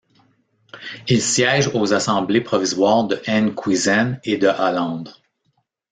Il siège aux assemblées provisoires de Enkhuizen et de Hollande.